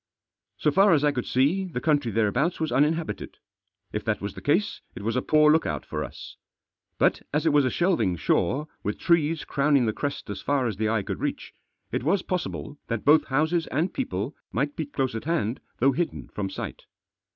So far as I could see the country thereabouts was uninhabited. If that was the case, it was a poor look out for us. But as it was a shelving shore, with trees Digitized by THE JOSS. crowning the crest as far as the eye could reach, it was possible that both houses and people might be close at hand though hidden from sight.